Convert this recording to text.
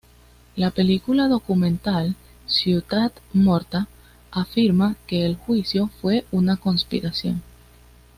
La película documental "Ciutat Morta" afirma que el juicio fue una conspiración.